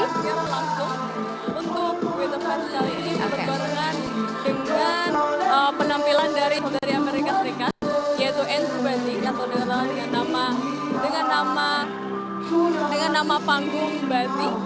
ya langsung untuk we the fest kali ini bergorengan dengan penampilan dari amerika serikat yaitu n s batik dengan nama panggung batik